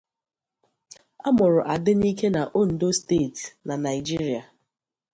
A mụrụ Adenike na Ondo Steeti, na Naijiria.